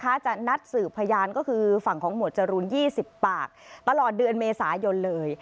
จะนัดสืบพยานก็คือฝั่งของหมวดจรูน๒๐ปากตลอดเดือนเมษายนเลย